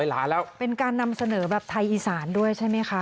หลานแล้วเป็นการนำเสนอแบบไทยอีสานด้วยใช่ไหมคะ